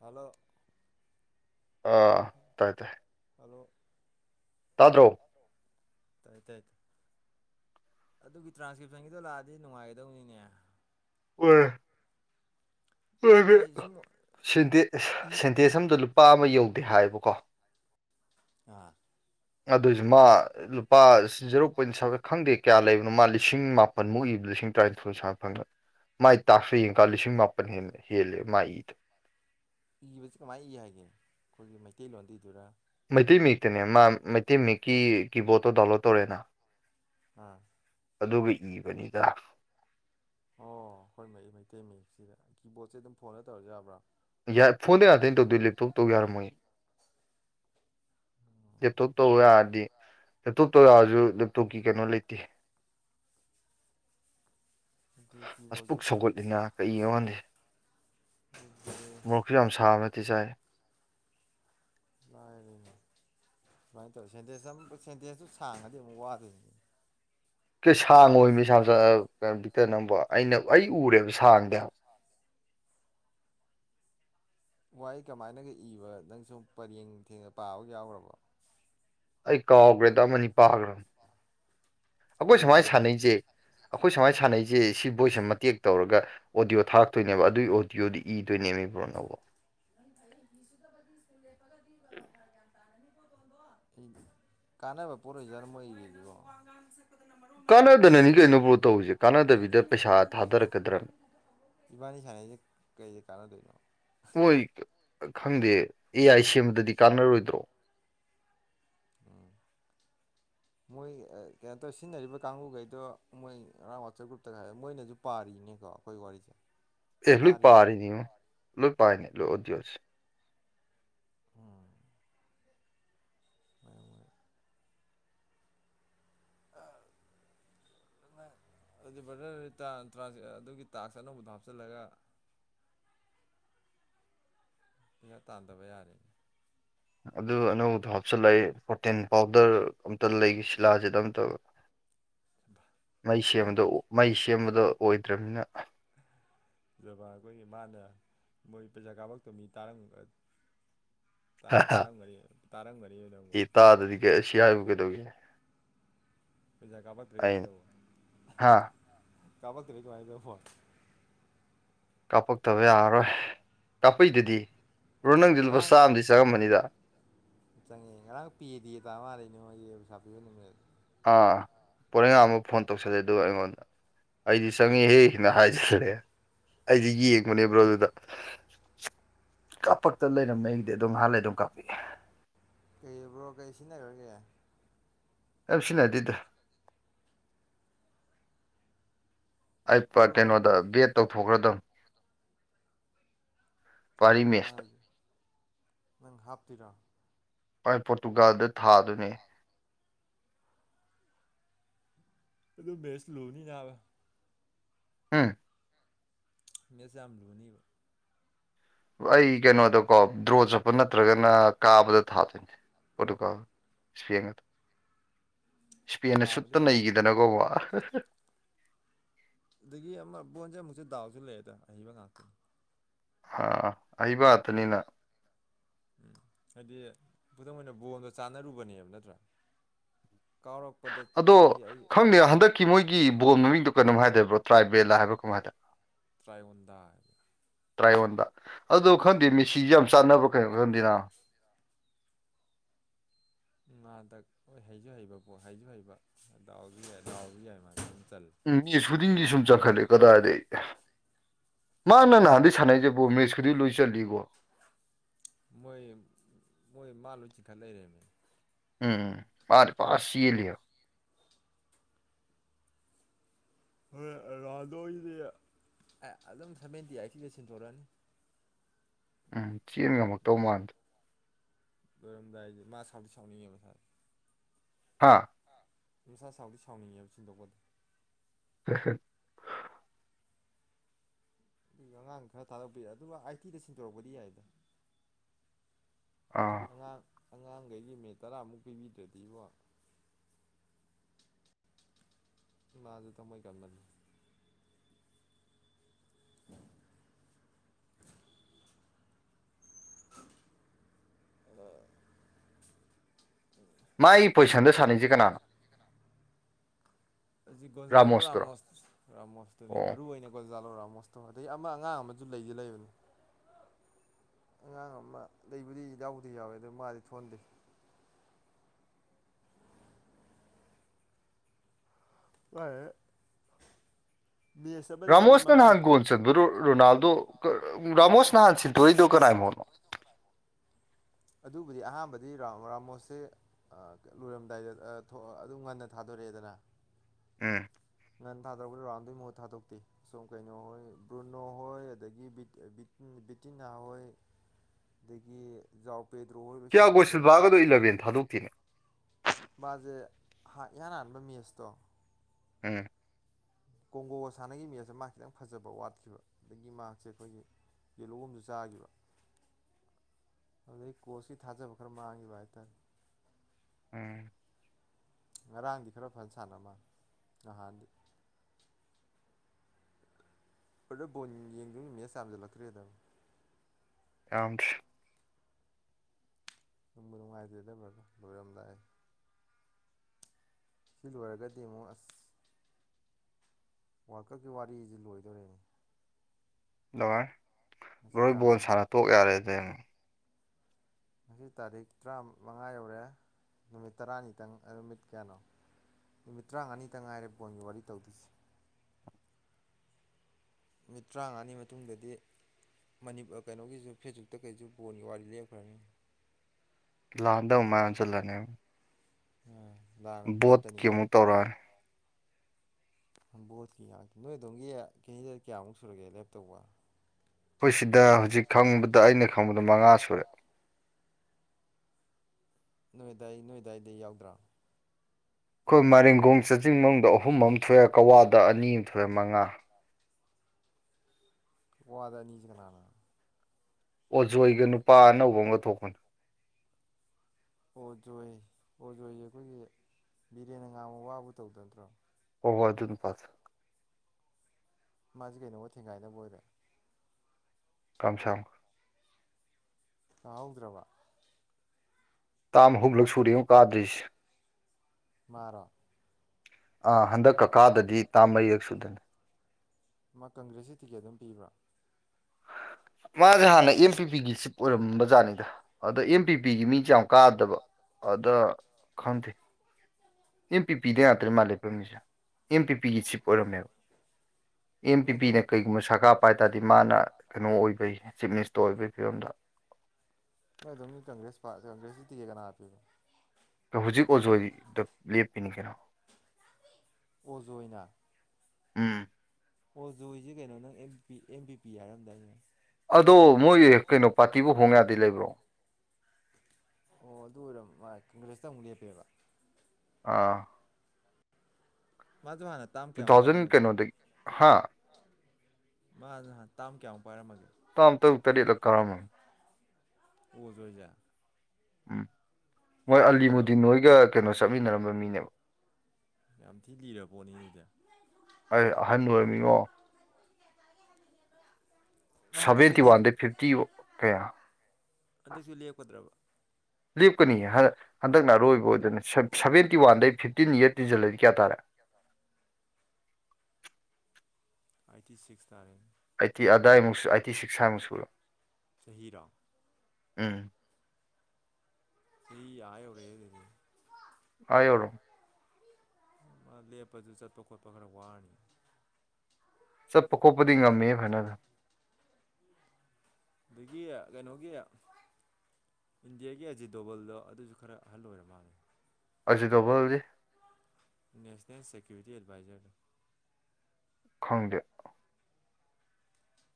Hello ꯑꯥ ꯇꯥꯏ ꯇꯥꯏ ꯍꯜꯂꯣ ꯇꯥꯗ꯭ꯔꯣ ꯇꯥꯏ ꯇꯥꯏ ꯑꯗꯨꯒꯤ ꯇ꯭ꯔꯥꯟꯁꯀ꯭ꯔꯤꯞꯁꯟꯒꯤꯗꯣ ꯂꯥꯛꯑꯗꯤ ꯅꯨꯡꯉꯥꯏꯒꯗꯧꯅꯤꯅꯦ ꯍꯣꯏ ꯃꯥꯏꯁꯦ ꯁꯨꯝ ꯁꯦꯟꯇꯦ ꯏ ꯁꯦꯟꯇꯦꯟꯖ ꯑꯝꯗ ꯂꯨꯄꯥ ꯑꯃ ꯌꯧꯗꯦ ꯍꯥꯏꯌꯦꯕꯀꯣ ꯑꯥ ꯑꯗꯨꯏꯁꯨ ꯃꯥ ꯂꯨꯄꯥ ꯖꯦꯔꯣ ꯄꯣꯏꯟ ꯁꯕꯦꯟ ꯈꯪꯗꯦ ꯀꯌꯥ ꯂꯩꯕꯅꯣ ꯃꯥ ꯂꯤꯁꯤꯡ ꯃꯥꯄꯟꯃꯨꯛ ꯏꯕ ꯂꯤꯁꯤꯡ ꯇ꯭ꯔꯥꯅꯤꯊꯣꯏ ꯁ ꯐꯪ ꯃꯥ ꯃꯥꯏ ꯇꯥꯛꯁꯁꯨ ꯌꯦꯡꯀꯥꯟ ꯂꯤꯁꯤꯡ ꯃꯥꯄꯟ ꯍꯦꯟꯅ ꯍꯦꯜꯂꯦ ꯃꯥꯏ ꯏꯗꯣ ꯏꯕꯁꯤ ꯀꯃꯥꯏ ꯏ ꯍꯥꯏꯒꯦ ꯑꯩꯈꯣꯏꯒꯤ ꯃꯩꯇꯩꯂꯣꯟꯗ ꯏꯗꯣꯏꯔꯥ ꯃꯩꯇꯩ ꯃꯌꯦꯛꯇꯅꯦ ꯃꯥ ꯃꯩꯇꯩ ꯃꯌꯦꯛꯀꯤ ꯀꯤꯕꯣꯔꯠꯇꯣ ꯗꯥꯎꯟꯂꯣꯗ ꯇꯧꯔꯦꯅ ꯑꯥ ꯑꯗꯨꯒ ꯏꯕꯅꯤꯗ ꯑꯣ ꯑꯩꯈꯣꯏ ꯃꯩꯇꯩ ꯃꯌꯦꯛꯁꯤꯗ ꯀꯤꯕꯣꯔꯠꯁꯦ ꯑꯗꯨꯝ ꯐꯣꯟꯗ ꯇꯧꯔꯁꯨ ꯌꯥꯕ꯭ꯔꯥ ꯌꯥꯏ ꯐꯣꯟꯗ ꯉꯥꯛꯇꯩꯅ ꯇꯧꯗꯣꯏ ꯂꯦꯞꯇꯣꯞ ꯇꯧ ꯌꯥꯔꯝꯃꯣꯏ ꯂꯦꯞꯇꯣꯞ ꯇꯧꯕ ꯌꯥꯔꯗꯤ ꯂꯦꯞꯇꯣꯞ ꯇꯧꯕ ꯌꯥꯔꯁꯨ ꯂꯦꯞꯇꯣꯞꯀꯤ ꯀꯩꯅꯣ ꯂꯩꯇꯦ ꯀꯤꯕꯣꯔꯗ ꯑꯁ ꯄꯨꯛ ꯀꯤꯕꯣꯔꯗꯁꯦ ꯁꯧꯒꯠꯂꯤꯅ ꯀꯛ ꯌꯥꯍꯟꯗꯦ ꯑꯗꯨꯗꯤ ꯃꯣꯔꯣꯛꯁꯨ ꯌꯥꯝ ꯁꯥꯕ ꯅꯠꯇꯦ ꯆꯥꯏ ꯂꯥꯏꯔꯤꯅꯦ ꯁꯃꯥꯏꯅ ꯇꯧꯋꯤ ꯁꯦꯟꯗꯦꯟꯁ ꯑꯃꯨ ꯁꯦꯟꯗꯦꯟꯁꯇꯨ ꯁꯥꯡꯉꯗꯤ ꯑꯃꯨꯛ ꯋꯥꯗꯣꯏꯅꯤꯅꯦ ꯀ [inaudible] ꯁꯥꯡ ꯑꯣꯏ ꯃꯤꯥ ꯕꯤꯛꯇꯔ ꯅꯪꯕꯣ ꯑꯩꯅ ꯑꯩ ꯎꯔꯦꯕ ꯁꯥꯡꯗꯦꯕ ꯋꯥꯍ ꯀꯃꯥꯏꯅꯒ ꯏꯕ ꯅꯪ ꯁꯨꯝ ꯄꯔꯦꯡ ꯊꯦꯡꯅ ꯄꯥꯕ ꯌꯥꯎꯔꯕꯣ ꯑꯩ ꯀꯥꯎꯈ꯭ꯔꯦꯗ ꯑꯃꯅꯤ ꯄꯥꯈ꯭ꯔꯕ ꯑꯩꯈꯣꯏ ꯁꯨꯃꯥꯏꯅ ꯀꯨꯏꯔꯕ꯭ꯔꯕ ꯅꯪ ꯁꯥꯟꯅꯩꯁꯦ ꯑꯩꯈꯣꯏ ꯁꯨꯃꯥꯏꯅ ꯁꯥꯟꯅꯩꯁꯦ ꯁꯤ ꯕꯣꯏꯁꯦ ꯃꯇꯦꯛ ꯇꯧꯔꯒ ꯑꯣꯗꯤꯌꯣ ꯊꯥꯛꯇꯣꯏꯅꯦꯕ ꯑꯗꯨꯒꯤ ꯑꯣꯗꯤꯌꯣꯗꯤ ꯏꯗꯣꯏꯅꯦ ꯏꯕ꯭ꯔꯣ ꯅꯪꯕꯣ ꯁꯨꯗ ꯁꯀꯨꯦ ꯄꯒꯗꯤ [inaudible] ꯀꯥꯥꯟꯕ ꯄꯣꯠ ꯑꯣꯢꯖꯠꯂꯣ ꯃꯣꯏ ꯏꯔꯤꯁꯤꯕꯣ ꯀꯥꯟꯅꯗꯅꯅꯤ ꯀꯩꯅꯣ ꯕ꯭ꯔꯣ ꯇꯧꯔꯤꯁꯦ ꯀꯥꯟꯅꯗꯕꯤꯗ ꯄꯩꯁꯥ ꯊꯥꯗꯔꯛꯀꯗ꯭ꯔꯅꯦ ꯏꯕꯥꯅꯤ ꯁꯥꯟꯅꯩꯁꯤ ꯀꯩꯗ ꯀꯥꯟꯅꯗꯣꯏꯅꯣ ꯍꯣꯏ ꯈꯪꯗꯦ ꯑꯦ ꯑꯥꯏ ꯁꯦꯝꯕꯗꯗꯤ ꯀꯥꯟꯅꯔꯣꯏꯗ꯭ꯔꯣ [unintelligible] ꯃꯣꯏ ꯀꯩꯅꯣ ꯇꯧꯔ ꯁꯤꯖꯤꯟꯅꯔꯤꯕ ꯀꯥꯡꯕꯨꯈꯩꯗꯣ ꯃꯣꯏ ꯑꯥꯎ ꯋꯥꯆꯞ ꯒ꯭ꯔꯨꯞꯇꯒꯥꯏ ꯍꯥꯏ ꯃꯣꯏꯅꯁꯨ ꯄꯥꯔꯤꯅꯦꯀꯣ ꯑꯩꯈꯣꯏ ꯋꯥꯔꯤꯁꯦ ꯑꯦ ꯂꯣꯏ ꯇꯥꯔꯤꯅꯦꯕ ꯄꯥꯔꯅꯤ ꯑꯣ ꯂꯣꯏ ꯄꯥꯏꯅꯤ ꯑꯣꯗꯤ ꯎꯝ ꯑꯝ ꯑꯥ ꯑꯗꯨꯗꯤ ꯕ꯭ꯔꯗꯔ ꯑꯗꯨꯒꯤ ꯇꯥꯛꯁ ꯑꯅꯧꯕꯗꯣ ꯍꯥꯞꯆꯤꯜꯂꯒ [unintelligible] ꯑꯗꯨꯒ ꯇꯥꯟꯗꯕ ꯌꯥꯔꯦꯅꯦ ꯑꯗꯨ ꯑꯅꯧꯕꯗꯣ ꯍꯥꯞꯆꯤꯜꯂꯛꯑꯦ ꯄ꯭ꯔꯣꯇꯤꯟ ꯄꯥꯎꯗꯔ ꯑꯝꯇ ꯂꯩꯒ ꯁꯤꯜꯂꯥꯥꯁꯗ ꯑꯝꯇꯧꯒ ꯃꯩ ꯁꯦꯝꯕꯗ ꯃꯩ ꯁꯦꯝꯕꯗ ꯑꯣꯏꯗ꯭ꯔꯅꯤꯅ ꯖꯕ ꯑꯩꯈꯣꯏꯒꯤ ꯃꯥꯅ ꯃꯣꯏ ꯄꯩꯁꯥ ꯀꯥꯄꯛꯇꯣ ꯃꯤꯥꯔꯒꯅꯤ ꯇꯥꯔꯝꯒꯅꯤꯗ ꯑꯦ ꯇꯥꯗꯗꯤ ꯀ ꯁꯤ ꯍꯥꯏꯕꯕꯨ ꯀꯩꯗꯧꯒꯦ ꯖ ꯀꯥꯕ ꯇꯔꯤꯒ ꯑꯩꯅ ꯇꯕꯣ ꯍꯥ ꯀꯥꯕ ꯇꯔꯤ ꯇꯕꯣ ꯀꯥꯞꯄꯛꯇꯕ ꯌꯥꯔꯔꯣꯏ ꯀꯥꯞꯄꯛꯩꯗꯨꯗꯤ ꯔꯣ ꯅꯪꯗꯤ ꯂꯨꯄꯥ ꯉꯔꯥꯡ ꯆꯥꯝꯃꯗꯤ ꯆꯪꯉꯝꯕꯅꯤꯗ ꯆꯪꯉꯦ ꯉꯔꯥꯡ ꯄꯦꯗꯤꯦ ꯇꯥ ꯃꯥꯥꯟꯜꯂꯤꯅꯣ ꯑꯩꯒꯤ ꯄꯩꯁꯥ ꯄꯤꯕ ꯅꯨꯃꯤꯠ ꯑꯥ ꯄꯣꯔꯦꯉꯥ ꯑꯃ ꯐꯣꯟ ꯇꯧꯁꯜꯂꯦ ꯑꯗꯨꯒ ꯑꯩꯉꯣꯟꯗ ꯑꯩꯗꯤ ꯆꯪꯉꯤꯍꯦ ꯅ ꯍꯥꯏꯖꯜꯂꯦ ꯑꯩꯗꯤ ꯌꯦꯡꯕꯅꯦꯕ꯭ꯔꯣ ꯑꯗꯨꯗ ꯀꯥꯞꯄꯛꯇ ꯂꯩꯔꯝꯃꯦꯒꯤꯗꯤ ꯑꯗꯨꯝ ꯍꯥꯥꯟꯂꯩ ꯑꯗꯨꯝ ꯀꯥꯄꯤꯛꯏ ꯀꯩꯔꯤꯕ꯭ꯔꯣ ꯀꯩ ꯁꯤꯖꯤꯟꯅꯈ꯭ꯔꯒꯦ ꯌꯥꯝ ꯁꯤꯅꯗꯤꯦꯗꯣ ꯑꯩ ꯑꯣꯟꯂꯥꯏꯟꯗ ꯀꯩꯅꯣꯗ ꯕꯦꯠ ꯇꯧꯊꯣꯛꯈ꯭ꯔꯗꯕ ꯄꯥꯔꯤ ꯦ ꯃꯦꯠꯁꯇ ꯅꯪ ꯍꯥꯞꯇꯔꯥ ꯄ ꯄꯣꯣꯔꯇꯨꯒꯜꯗ ꯑꯗꯨ ꯑꯗꯨꯥ ꯑꯗꯨ ꯕꯦꯁ ꯂꯨꯅꯤ ꯌꯥꯕ ꯎꯝ ꯃꯦꯖ ꯌꯥꯝꯝ ꯂꯨꯅꯤꯕ ꯑꯩ ꯀꯩꯅꯣꯗꯀꯣ ꯗ꯭ꯔꯣ ꯆꯠꯄ ꯅꯠꯇ꯭ꯔꯒꯅ ꯀꯥꯕꯗ ꯊꯥꯗꯣꯏꯅꯦ ꯄꯣꯠꯇꯀ ꯏꯁꯄꯦꯟꯒ ꯏꯁꯄꯦꯟꯅ ꯂꯝꯕꯥꯕꯨꯗꯤ ꯁꯨꯠꯇ ꯑꯗꯨꯝ ꯅꯩꯈꯤꯗꯅ ꯀꯧꯕ ꯑꯗꯒꯤ ꯑꯃ ꯕꯣꯟꯁꯦ ꯑꯃꯨꯛꯁꯨ ꯗꯥꯎꯁꯨ ꯂꯩꯌꯦꯗ ꯑꯍꯩꯕ ꯉꯥꯛꯇꯅꯤ ꯑꯥ ꯑꯍꯩꯕꯇꯅꯤꯅ ꯎꯝ ꯍꯥꯏꯗꯤ ꯈꯨꯗꯝ ꯑꯣꯏꯅ ꯕꯣꯟꯗꯣ ꯆꯥꯟꯅꯔꯨꯕꯅꯦꯕ ꯅꯠꯇ꯭ꯔꯥ ꯀꯥꯎꯔꯛꯄꯗ ꯑꯩꯒꯤ ꯑꯩ ꯪ ꯍꯟꯗꯛꯀꯤ ꯃꯣꯏꯒꯤ ꯕꯣꯜ ꯃꯃꯤꯡꯗꯣ ꯀꯩꯅꯣꯝ ꯍꯥꯏꯗꯕ꯭ꯔꯣ ꯇ꯭ꯔꯥꯏꯕꯦꯜꯂ ꯍꯥꯏꯕ꯭ꯔꯥ ꯀꯃꯥꯏ ꯍꯥꯏꯗꯣꯏꯕꯣ ꯗꯏ ꯇ꯭ꯔꯥꯏꯌꯣꯟꯗ ꯑꯗꯣ ꯈꯪꯗꯦ ꯃꯤꯦꯁꯤꯁꯨ ꯌꯥꯝ ꯆꯥꯟꯅꯕ꯭ꯔꯥ ꯀꯩꯅꯣ ꯈꯪꯗꯦꯅ ꯉꯥꯗꯛ ꯍꯣꯏ ꯍꯩꯁꯨ ꯍꯩꯕ ꯄꯣꯠ ꯍꯩꯁꯨ ꯍꯩꯕ ꯗꯥꯎꯁꯨ ꯌꯥꯏ ꯗꯥꯎꯕꯁꯨ ꯌꯥꯏ ꯃꯥꯃꯥꯏꯅ ꯑꯗꯨꯝ ꯆꯜꯂꯦ ꯎꯝ ꯃꯤ ꯈꯨꯗꯤꯡꯒꯤ ꯁꯨꯝ ꯆꯈꯠꯂꯦ ꯀꯗꯥꯏꯗꯒꯤ ꯃꯥ ꯅꯪ ꯅꯍꯥꯟꯗꯒꯤꯩ ꯁꯥꯟꯅꯩꯁꯦꯕ ꯃꯦꯠꯁꯀꯨꯗꯤ ꯂꯣꯏ ꯆꯠꯂꯤꯀꯣ ꯃꯣꯏ ꯃꯣꯏ ꯃꯥꯜꯨ ꯎꯆꯤ ꯈ ꯂꯩꯔꯝꯃꯦ ꯎꯝꯔ ꯄꯥꯔꯁꯤ ꯂꯩꯣ ꯍꯣꯏ ꯔꯥꯎꯗꯁꯤꯗꯤ ꯑꯗꯨꯝ ꯁꯚꯦꯟꯇꯤ ꯑꯩꯥꯏꯠꯁꯤꯗ ꯁꯤꯟꯊꯣꯔꯛꯑꯅꯤ ꯎꯝ ꯆꯦꯟ ꯉꯝꯃꯛꯇꯧ ꯃꯥꯟꯗꯦ ꯂꯣꯏꯔꯝꯗꯥꯏꯗꯤꯦ ꯃꯥ ꯁꯥꯎꯗꯤ ꯁꯥꯎꯅꯤꯡꯉꯦꯕ ꯁꯥꯔ ꯍꯥꯥ ꯅꯨꯡꯁꯥ ꯁꯥꯎꯗꯤ ꯁꯥꯎꯅꯤꯡꯉꯦꯕ ꯁꯤꯟꯗꯣꯛꯄ ꯑꯗꯨꯣ ꯍ ꯍꯣꯏ ꯑꯉꯥꯡ ꯈꯔ ꯊꯥꯗꯛꯄꯤꯔꯦ ꯑꯗꯨꯒ ꯑꯥꯏ ꯇꯤꯗ ꯁꯤꯟꯗꯣꯔꯛꯄꯗꯤ ꯌꯥꯏꯗ ꯑꯥ ꯑꯉꯥꯡ ꯑꯉꯥꯡꯈꯩꯒꯤ ꯃꯤꯠ ꯇꯔꯥꯃꯨꯛ ꯄꯤꯕꯤꯗ꯭ꯔꯗꯤꯕꯣ ꯃꯥꯁꯨꯗ ꯃꯣꯏ ꯀꯪꯒꯅꯤ ꯑ ꯃꯥꯒꯤ ꯄꯣꯏꯖꯤꯁꯟꯗ ꯁꯥꯥꯟꯅꯁꯁꯤ ꯀꯅꯥꯅꯣ ꯑꯁꯤꯛ ꯒꯣꯟꯖꯥꯜꯂ ꯔꯥꯃꯣꯁꯇꯨꯔꯣ ꯔꯥꯃꯣꯁ ꯔꯥꯃꯣꯁꯇꯨꯅꯦ ꯑꯣ ꯃꯔꯨ ꯑꯣꯏꯅ ꯒꯒꯜ ꯖꯠꯂꯔꯥ ꯃꯣꯁꯇꯣ ꯑꯗꯩ ꯑꯃ ꯑꯉꯥꯡ ꯑꯃꯁꯨ ꯂꯩꯗꯤ ꯂꯩꯕꯅꯦ ꯑꯉꯥꯡ ꯑꯃ ꯂꯩꯕꯨꯗꯤ ꯏ ꯌꯥꯎꯕꯗꯤ ꯌꯥꯎꯋꯦ ꯑꯗꯨ ꯃꯥꯗꯤ ꯊꯣꯟꯗꯦ ꯍ ꯔꯃꯣꯁꯅ ꯅꯍꯥꯟꯒꯣꯟꯆꯟꯕꯗꯣ ꯔꯣꯅꯥꯜꯗꯣ ꯀ ꯔꯃꯣꯁꯅ ꯍꯥꯟꯁꯤꯟ ꯑꯗꯨꯕꯨꯗꯤ ꯑꯍꯥꯟꯕꯗꯤ ꯔꯥꯃꯣꯁꯦ ꯂꯣꯏꯔꯝꯗꯥꯏꯗ ꯑꯗꯨꯝ ꯉꯟꯅ ꯊꯥꯗꯣꯔꯛꯑꯦꯗꯅ ꯎꯝ ꯉꯟ ꯊꯥꯗꯣꯔꯛꯄꯗꯣ ꯔꯣꯅꯥꯗꯣ ꯃꯍꯨꯠ ꯊꯗꯣꯛꯇꯦ ꯁꯣꯝ ꯀꯩꯅꯣꯍꯣꯏ ꯕ꯭ꯔꯨꯅꯣꯍꯣꯏ ꯑꯗꯒꯤ ꯕꯤꯇꯤꯅꯥꯍꯣꯏ ꯑꯗꯒꯤ ꯖꯎ ꯄꯦꯗ꯭ꯔꯣ ꯍꯣꯏ ꯂꯣꯏ ꯇꯤꯌꯥꯒꯣ ꯁꯤꯟꯗꯣꯛꯈ꯭ꯔꯦꯕ ꯁꯤꯜꯚꯥꯒꯗꯣ ꯏꯂꯚꯦꯟ ꯊꯥꯗꯣꯛꯇꯦꯅꯦ ꯕꯥꯁꯦ ꯏꯍꯥꯟ ꯍꯥꯟꯕ ꯃꯦꯁꯇꯣ ꯎꯝ ꯀꯣꯡꯒꯣꯒ ꯁꯥꯟꯅꯈꯤꯕ ꯃꯦꯠꯁꯦ ꯃꯥ ꯈꯤꯇꯪ ꯐꯖꯕ ꯋꯥꯠꯈꯤꯕ ꯑꯗꯒꯤ ꯃꯍꯥꯛꯁꯦ ꯑꯩꯈꯣꯏꯒꯤ ꯌꯦꯂꯣ [unintelligible] ꯆꯥꯈꯤꯕ ꯑꯗꯨꯗꯒꯤ ꯀꯣꯔꯁꯀꯤ ꯊꯥꯖꯕ ꯈꯔ ꯃꯥꯡꯉꯤꯕ ꯍꯥꯏꯇꯥꯔꯦ ꯎꯝ ꯉꯔꯥꯡꯗꯤ ꯈꯔ ꯐꯖꯅ ꯁꯥꯟꯅꯃꯟꯂꯦ ꯅꯍꯥꯟꯗꯤ ꯐꯂ ꯕꯣꯟ ꯌꯦꯡꯗꯣꯏꯅꯤ ꯃꯦꯖꯁ ꯌꯥꯝꯖꯜꯂꯛꯇ꯭ꯔꯦꯗ ꯌꯥꯝꯗꯔꯦ ꯅꯨꯡꯕꯨ ꯅꯨꯡꯉꯥꯏꯇꯦꯗ ꯕꯔꯗꯔ ꯂꯣꯏꯔꯝꯗꯥꯏꯗ ꯁꯤ ꯂꯣꯏꯔꯒꯗꯤ ꯑꯃꯨꯛ ꯑꯁ ꯋꯥꯜꯀꯞꯀꯤ ꯋꯥꯔꯤꯁꯤ ꯂꯣꯏꯗꯣꯔꯦꯅꯦ ꯅꯨꯡꯉꯥꯏ ꯉꯁꯤ ꯂꯣꯏ ꯇꯥꯡ ꯕꯣꯜ ꯁꯥꯟꯅ ꯇꯣꯛ ꯌꯥꯔꯦ ꯑꯗꯩ ꯑꯃꯨꯛ ꯉꯁꯤ ꯇꯥꯔꯤꯛ ꯇꯔꯥ ꯃꯉꯥ ꯌꯧꯔꯦ ꯅꯨꯃꯤꯠ ꯇꯔꯥꯅꯤꯇꯪ ꯅꯨꯃꯤꯠ ꯀꯌꯥꯅꯣ ꯅꯨꯃꯤꯠ ꯇꯔꯥꯉꯥꯅꯤꯗ ꯉꯥꯏꯔꯦ ꯕꯣꯟꯒꯤ ꯋꯥꯔꯤ ꯇꯧꯗꯣꯏꯁꯦ ꯅꯨꯃꯤꯠ ꯇꯔꯉꯥꯅꯤ ꯃꯇꯨꯡꯗꯗꯤ ꯃꯅꯤ ꯀꯩꯅꯣꯒꯤꯁꯨ ꯐꯦꯁꯕꯨꯛꯇ ꯀꯩꯁꯨ ꯕꯣꯟꯒꯤ ꯋꯥꯔꯤ ꯂꯦꯞꯈ꯭ꯔꯅꯤ ꯂꯥꯟꯗ ꯃꯨꯛ ꯃꯥꯏ ꯑꯣꯟꯁꯤꯟꯂꯛꯑꯅꯤ ꯎꯝ ꯂꯟ ꯕꯣꯠꯀꯤ ꯚꯣꯠꯇꯅꯤꯅꯦ ꯑꯃꯨꯛ ꯇꯧꯔꯛꯑꯅꯤ ꯪ ꯕꯣꯠꯀꯤ ꯉꯥꯛꯇꯤ ꯅꯣꯏ ꯑꯗꯣꯝꯒꯤ ꯀꯦꯟꯗꯤꯗꯦꯠ ꯀꯌꯥꯃꯨꯛ ꯁꯨꯔꯒꯦ ꯂꯦꯞꯇꯧꯕ ꯑꯩꯈꯣꯏ ꯁꯤꯗ ꯍꯧꯖꯤꯛ ꯈꯪꯕꯗ ꯑꯩꯅ ꯈꯪꯕꯗ ꯃꯉꯥ ꯁꯨꯔꯦ ꯅꯣꯏꯗꯥꯏ ꯅꯣꯏꯗꯥꯏꯗꯩ ꯌꯥꯎꯗ꯭ꯔꯥ ꯑꯩꯈꯣꯏ ꯃꯔꯦꯡꯒꯣꯡ ꯆꯥꯆꯤꯡ ꯃꯅꯨꯡꯗ ꯑꯍꯨꯝ ꯑꯃ ꯊꯣꯛꯑꯦ ꯀꯋꯥꯗ ꯑꯅꯤ ꯑꯃ ꯊꯣꯛꯑꯦ ꯃꯉꯥ ꯋꯥꯗ ꯑꯅꯤꯁꯤ ꯀꯅꯥꯅ ꯑꯣꯖꯣꯏꯒ ꯅꯨꯄꯥ ꯑꯅꯧꯕ ꯑꯃꯒ ꯊꯣꯛꯄꯅꯦ ꯑꯣ ꯖꯣꯏ ꯑꯣ ꯖꯣꯏꯁꯦ ꯑꯩꯈꯣꯏꯒꯤ ꯕꯤꯔꯦꯅ ꯉꯥꯡꯕ ꯋꯥꯕꯨ ꯇꯧꯗꯣ ꯅꯠꯇ꯭ꯔꯣ ꯍꯣ ꯍꯣ ꯑꯗꯨꯅ ꯅꯨꯄꯥꯗꯣ ꯃꯥꯁꯦ ꯀꯩꯅꯣꯒ ꯊꯦꯡꯒꯥꯏꯅꯕ ꯑꯣꯏꯔꯦ ꯀꯝꯁꯥꯡ ꯇꯥꯍꯧꯗ꯭ꯔꯥꯕ ꯇꯥꯝ ꯑꯍꯨꯛꯂꯛ ꯁꯨꯔꯦꯉꯣ ꯀꯥꯗ꯭ꯔꯤꯁꯦ ꯃꯥꯔꯣ ꯑ ꯍꯟꯗꯛꯀ ꯀꯥꯗꯗꯤ ꯇꯥꯝ ꯃꯔꯤꯔꯛ ꯁꯨꯗꯣꯅꯤ ꯃꯥ ꯀꯪꯒ꯭ꯔꯦꯁꯁꯤ ꯇꯤꯀꯦꯠ ꯑꯗꯨꯝꯄꯤꯕ꯭ꯔꯥ ꯃꯥꯁꯦ ꯍꯥꯟꯅ ꯑꯦꯝ ꯄꯤ ꯄꯤꯒꯤ ꯆꯤꯞ ꯑꯣꯏꯔꯝꯕ ꯖꯥꯠꯅꯤꯗ ꯑꯗ ꯑꯦꯝ ꯄꯤ ꯄꯤꯒꯤ ꯃꯤꯁꯦ ꯌꯥꯝ ꯀꯥꯗꯕ ꯑꯗ ꯈꯪꯗꯦ ꯑꯦꯝ ꯄꯤ ꯄꯤꯗ ꯉꯥꯛꯇꯅꯦ ꯃꯥ ꯂꯦꯞꯄꯝꯃꯤꯁꯦ ꯑꯦꯝ ꯄꯤ ꯄꯤꯒꯤ ꯆꯤꯞ ꯑꯣꯏꯔꯝꯃꯦꯕ ꯑꯦꯝ ꯄꯤ ꯅꯣꯏ ꯑꯗꯨꯝ ꯄꯤꯅ ꯀꯔꯤꯒꯨꯝꯕ ꯁꯥꯀꯥꯞ ꯄꯥꯏ ꯇꯥꯔꯗꯤ ꯃꯥꯅ ꯀꯩꯅꯣ ꯑꯣꯏꯕꯩ ꯆꯤꯞ ꯃꯤꯅꯤꯁꯇꯔ ꯑꯣꯏꯕꯩ ꯐꯤꯕꯝꯗ ꯅꯣꯏ ꯑꯗꯣꯝꯒꯤ ꯀꯪꯒ꯭ꯔꯦꯁ ꯄꯥꯠ ꯀꯪꯒ꯭ꯔꯦꯁꯀꯤ ꯇꯤꯀꯦꯠ ꯀꯅꯥ ꯄꯤꯒꯦ ꯍꯧꯖꯤꯛ ꯑꯣꯖꯣꯏꯗ ꯂꯦꯞꯄꯤꯅꯤ ꯀꯩꯅꯣ ꯑꯣꯖꯣꯏꯅ ꯎꯝ ꯑꯣ ꯖꯣꯏꯁꯦ ꯀꯩꯅꯣ ꯅꯪ ꯑꯦꯝꯄꯤ ꯑꯦꯝ ꯄꯤꯄꯤ ꯍꯥꯏꯔꯝꯗꯥꯏꯅꯦ ꯑꯗꯣ ꯃꯣꯏ ꯀꯩꯅꯣ ꯄꯥꯔꯇꯤꯕꯨ ꯍꯣꯡ ꯌꯥꯗꯦ ꯂꯩꯕ꯭ꯔꯣ ꯑꯣ ꯑꯗꯨ ꯑꯣꯏꯔꯝ ꯃꯥ ꯀꯪꯒ꯭ꯔꯦꯁꯇ ꯑꯃꯨꯛ ꯂꯦꯞꯄꯦꯕ ꯑꯥ ꯃꯥꯖꯨ ꯍꯥꯟꯅ ꯇꯥꯝ ꯇꯨ ꯀꯥꯌꯥ ꯃꯨꯛ ꯊꯥꯎꯖꯟ ꯄꯥꯏꯔꯝꯃꯒꯦ꯫ ꯀꯩꯅꯣꯗꯒꯤ ꯍꯥ ꯃꯥꯖꯨ ꯍꯥꯟ ꯇꯥꯝ ꯀꯌꯥꯃꯨꯛ ꯄꯥꯏꯔꯝꯃꯒꯦ꯫ ꯇꯝ ꯇꯥꯔꯨꯛ ꯇꯔꯦꯠꯔꯛ ꯀꯔꯝꯃꯅꯦ꯫ ꯑꯣꯖꯣꯏꯖꯦ ꯎꯝ ꯃꯣꯏ ꯑꯔꯤꯕꯔꯕ ꯑꯂꯤꯃꯨꯗꯤꯟ ꯍꯣꯏꯒ ꯀꯩꯅꯣ ꯆꯠꯃꯤꯟꯅꯔꯝꯕ ꯃꯤꯅꯦꯕ ꯌꯥꯝ ꯊꯤ ꯂꯤꯔꯕ ꯄꯣꯠꯅꯤ ꯑꯗꯨꯗꯤ ꯑꯩ ꯑꯍꯟ ꯑꯣꯏꯔꯝꯃꯤꯉꯣ ꯃꯥ ꯍꯟꯗꯛꯁꯨ ꯁꯚꯦꯟꯇꯤ ꯂꯦꯞ ꯋꯥꯟꯗ ꯐꯤꯐꯇꯤ ꯀꯌꯥ ꯍꯟꯗꯛꯁꯨ ꯂꯦꯞꯀꯗ꯭ꯔꯥꯕ? ꯂꯦꯞꯀꯅꯤ ꯍꯟꯗꯛꯅ ꯑꯔꯣꯏꯕ ꯑꯣꯏꯗꯅ ꯁꯕꯦꯟꯇꯤ ꯋꯥꯟꯗꯩ ꯐꯤꯞꯇꯤꯟ ꯏꯔ ꯇꯤꯁꯤꯜꯂꯗꯤ ꯀꯌꯥ ꯇꯥꯔꯦ ꯑꯥꯏꯇꯤ ꯁꯤꯛꯁ ꯇꯥꯔꯦ ꯑꯩꯠꯇꯤ ꯑꯗꯥꯏꯃꯨꯛꯁꯨ ꯑꯩꯠꯇꯤ ꯁꯤꯛꯁ ꯍꯥꯏꯃꯨꯛ ꯆꯍꯤꯔꯣ ꯁꯨꯔꯅ___ ꯎꯝ ꯐ ꯑꯥ ꯌꯧꯔꯦꯍꯦ ꯑꯗꯨꯗꯤ ꯑꯌꯧꯔꯅꯦ ꯃ ꯂꯦꯞꯄꯁꯨ ꯆꯠꯄ ꯈꯣꯠꯄ ꯈꯔ ꯋꯥꯔꯅꯤ꯫ ꯆꯠꯄ ꯈꯣꯠꯄꯗꯤ ꯉꯝꯃꯦ ꯐꯥꯏꯅ ___ ꯑꯗꯒꯤ ꯀꯩꯅꯣꯒꯤ ꯏꯟꯗꯤꯌꯥꯒꯤ ꯑꯖꯤꯠ ꯗꯣꯕꯜꯗꯣ ꯑꯗꯨꯁꯨ ꯈꯔ ꯑꯍꯜ ꯑꯣꯏꯔ ꯃꯥꯜꯂꯦ ꯑꯖꯤꯠ ꯗꯣꯕꯜꯗꯤ ꯅꯦꯁꯅꯦꯜ ꯁꯀ꯭ꯌꯨꯔꯤꯇꯤ ꯑꯦꯗꯚꯥꯏꯖꯔ ꯈꯪꯗꯦ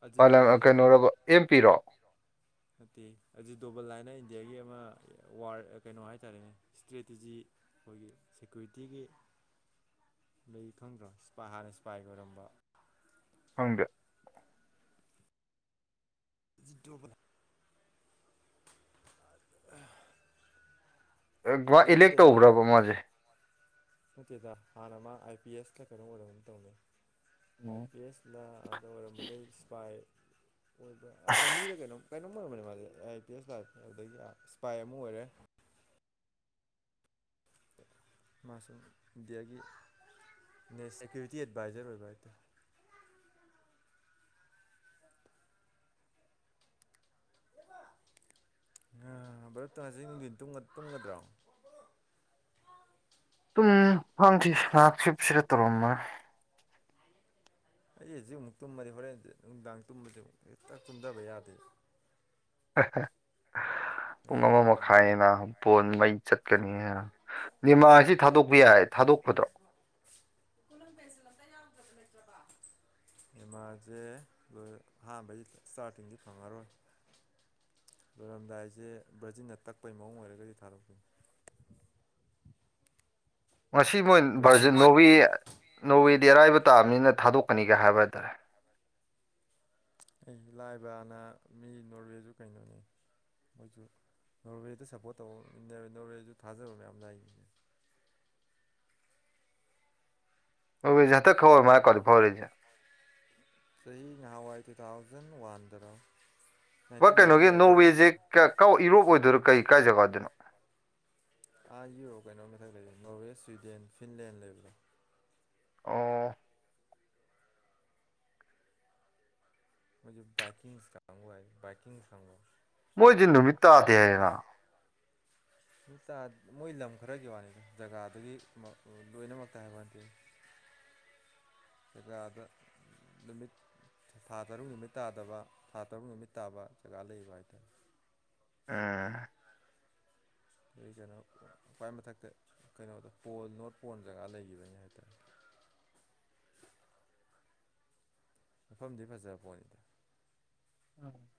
ꯑꯖꯤꯠ ꯄꯥꯏꯂꯝ ꯗꯣꯕꯜꯗꯣ ꯀꯩꯅꯣꯔꯕ ꯑꯦꯝ ꯄꯤꯔꯣ ꯅꯠꯇꯦ ꯑꯖꯤꯠ ꯗꯣꯕꯜ ꯍꯥꯏꯅ ꯏꯟꯗꯤꯌꯥꯒꯤ ꯑꯃ ꯋꯥꯔ ꯀꯩꯅꯣ ꯍꯥꯏꯇꯥꯔꯦꯅꯦ ꯏꯁꯇ꯭ꯔꯦꯇꯤꯖꯤ ꯑꯩꯈꯣꯏꯒꯤ ꯁꯦꯀ꯭ꯌꯨꯔꯤꯇꯤꯒꯤ ꯂꯩ ꯈꯪꯗ꯭ꯔꯣ ꯏꯄꯥ ꯍꯥꯟꯅ ꯏꯁꯄꯥꯏꯒꯤ ꯑꯣꯏꯔꯝꯕ ꯈꯪꯗꯦ ꯖꯤꯇꯕꯂ ꯑ ꯃꯥ ꯏꯂꯦꯛ ꯇꯧꯈ꯭ꯔꯕ ꯃꯥꯁꯦ ꯅꯀꯦꯗ ꯍꯥꯟꯅ ꯃꯥ ꯑꯥꯏ ꯄꯤ ꯑꯦꯁꯇ ꯀꯩꯅꯣ ꯑꯣꯏꯔꯣ ꯇꯧꯅꯤ ꯑꯥꯏ ꯄꯤ ꯑꯦꯁ ꯗ ꯑꯗ ꯑꯣꯏꯔꯝꯕꯗꯩ ꯏꯁꯄꯥꯏ ꯑꯣꯏꯕ ꯑꯥꯔꯃꯤꯅ ꯀꯩꯅꯣꯝ ꯀꯩꯅꯣꯝ ꯑꯣꯏꯔꯝꯕꯅꯦ ꯃꯥꯁꯦ ꯑ ꯑꯥꯏ ꯄꯤ ꯑꯦꯁ ꯂꯥꯛꯦ ꯑꯗꯒꯤ ꯏꯁꯄꯥꯏ ꯑꯃ ꯑꯣꯏꯔꯦ ꯃꯥꯁꯨ ꯏꯟꯗꯤꯌꯥꯒꯤ ꯁꯦꯀ꯭ꯌꯨꯔꯤꯇꯤ ꯑꯦꯗꯚꯥꯏꯖꯔ ꯑꯣꯏꯕ ꯍꯥꯏꯇꯥꯔꯦ ꯑ ꯚꯔꯞ ꯇ ꯉꯁꯤꯅꯨꯡꯗꯤ ꯇꯟꯒꯗ꯭ꯔꯣ ꯁꯨꯝ ꯍꯥꯡꯈꯤ ꯉꯥꯏꯍꯥꯛꯁꯤꯁꯤꯗ ꯇꯧꯔꯝꯃ ꯑꯩ ꯍꯧꯖꯤꯛ ꯑꯃꯨꯛ ꯇꯨꯝꯃꯗꯤ ꯍꯣꯔꯦꯟ ꯅꯨꯡꯗꯥꯡ ꯇꯨꯝꯕꯗꯤ ꯑꯃꯨꯛ ꯍꯦꯛꯇ ꯇꯨꯝꯗꯕ ꯌꯥꯗꯦ ꯄꯨꯡ ꯑꯃ ꯅꯨꯡꯊꯤꯟꯁꯦ ꯉꯥꯏꯍꯥꯛ ꯃꯈꯥꯏꯅ ꯕꯣꯟ ꯃꯩ ꯆꯠꯀꯅꯤꯅ ꯅꯤꯃꯥꯁꯤ ꯊꯥꯗꯣꯛꯄ ꯌꯥꯏ ꯊꯥꯗꯣꯛꯄꯗ꯭ꯔꯣ ꯈꯨꯂꯪ ꯄꯦꯟꯁꯤꯜ ꯑꯝꯇ ꯌꯥꯝꯗ꯭ꯔꯕ ꯂꯩꯇ꯭ꯔꯕ ꯑꯦꯃꯥꯁꯦ ꯂꯣꯏ ꯑꯍꯥꯟꯕꯒꯤ ꯏꯁꯇꯥꯔꯇꯤꯡꯗꯤ ꯐꯪꯉꯔꯣꯏ ꯂꯣꯏꯔꯝꯗꯥꯏꯁꯦ ꯕ꯭ꯔꯥꯖꯤꯟꯅ ꯇꯛꯄꯩ ꯃꯑꯣꯡ ꯑꯣꯏꯔꯒꯗꯤ ꯊꯥꯗꯣꯛꯄꯤꯅꯤ ꯉꯁꯤ ꯃꯣꯏ ꯕ꯭ꯔꯥꯖꯤꯟ ꯚꯔꯖꯟ ꯅꯣꯋꯦ ꯅꯣꯋꯦꯗꯤ ꯑꯔꯥꯏꯕ ꯇꯥꯕꯅꯤꯅ ꯊꯥꯗꯣꯛꯀꯅꯤꯒ ꯍꯥꯏꯕ ꯍꯥꯏꯇꯥꯔꯦ ꯑꯩ ꯂꯥꯏꯕꯅ ꯃꯤ ꯅꯣꯔꯋꯦꯁꯨ ꯀꯩꯅꯣꯅꯤ ꯃꯣꯏꯁꯨ ꯅꯣꯔꯋꯦꯗ ꯁꯞꯄꯣꯔꯠ ꯇꯧꯕ ꯅꯣꯔꯋꯦꯁꯨ ꯊꯥꯖꯕ ꯃꯌꯥꯝ ꯂꯩꯥꯛꯏꯅꯤꯅꯦ ꯑꯣꯖꯍ ꯈꯔ ꯃꯥ ꯀ ꯐꯔ ꯏꯖ ꯆꯍꯤ ꯅꯥꯎꯏ ꯇꯨ ꯊꯥꯎꯖꯟ ꯋꯥꯟꯗꯔꯣ ꯕ ꯅꯥꯏꯟꯇꯤꯟ ꯅꯥꯏꯟꯇꯤ ꯀꯩꯅꯣꯒꯤ ꯑꯥꯏꯠꯇ ꯅꯣꯔꯋꯦꯁꯦ ꯀ ꯌꯨꯔꯣꯞ ꯑꯣꯏꯗꯣꯏꯔꯣ ꯀꯩ ꯀꯥꯏ ꯖꯒꯥꯗꯅꯣ ꯑꯥ ꯌꯣ ꯀꯩꯅꯣ ꯃꯊꯛ ꯂꯩꯁꯦ ꯅꯣꯔꯋꯦ ꯁ꯭ꯋꯤꯗꯦꯟ ꯐꯤꯟꯂꯦꯟ ꯂꯩꯕꯗꯣ ꯑ ꯃꯥꯒꯤ ꯥꯏꯀꯤꯡ ꯁꯥꯎ ꯍꯥꯏꯥꯏ ꯥꯏꯀꯤꯡ ꯁꯨ ꯃꯣꯏꯗꯤ ꯅꯨꯃꯤꯠ ꯇꯥꯗꯦ ꯍꯥꯏꯅ [unintelligible] ꯃꯣꯏ ꯂꯝ ꯈꯔꯒꯤ ꯋꯥꯅꯤꯗ ꯖꯒꯥꯗꯨꯗꯒꯤ ꯂꯣꯏꯅꯃꯛꯇ ꯍꯥꯏꯕ ꯋꯥ ꯅꯠꯇꯦ [inaudible] [unintelligible] [unintelligible] ꯅꯨꯃꯤꯠ ꯊꯥ ꯇꯔꯨꯛ ꯅꯨꯃꯤꯠ ꯇꯥꯗꯕ ꯊꯥ ꯇꯔꯨꯛ ꯅꯨꯃꯤꯠ ꯇꯥꯕ ꯖꯒꯥ ꯂꯩꯕ ꯍꯥꯏꯇꯥꯔꯦ ꯎꯝ [unintelligible] ꯃꯊꯛꯇ ꯀꯩꯅꯣꯗ ꯄꯣꯜ ꯅꯣꯔꯠ ꯄꯣꯟꯜ ꯖꯒꯥ ꯂꯩꯈꯤꯕꯅꯤ ꯍꯥꯏꯇꯥꯔꯦ ꯃꯐꯝꯗꯤ ꯐꯖꯕ ꯄꯣꯠꯅꯤꯗ [inaudible]